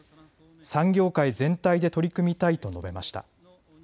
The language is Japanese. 産業界全体で取り組みたいと述べました。